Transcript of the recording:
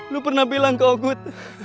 lu pernah bilang ke ogut